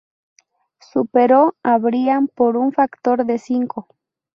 Superó a Bryan por un factor de cinco.